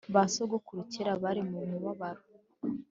basogokuru kera bari mumubabaro